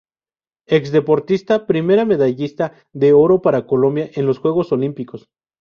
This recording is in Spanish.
Ex deportista, primera medallista de oro para Colombia en los Juegos Olímpicos.